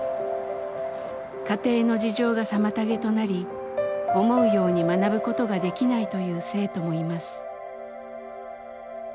家庭の事情が妨げとなり思うように学ぶことができないという生徒もいます。